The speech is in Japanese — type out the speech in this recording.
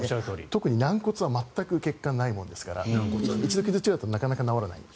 特に軟骨は全く血管がないものですから一度傷付いちゃうとなかなか治らない。